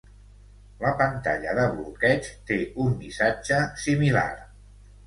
La pantalla de bloqueig té un missatge similar.